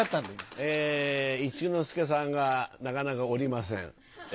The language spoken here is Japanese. え一之輔さんがなかなか降りません。